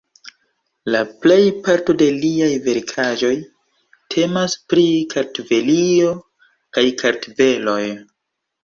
La plejparto de liaj verkaĵoj temas pri Kartvelio kaj la kartveloj.